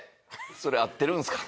それ合ってるんですか？